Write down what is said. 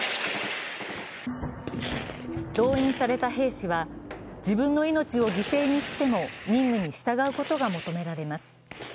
動員された兵士は自分の命を犠牲にしても任務に従うことが求められます。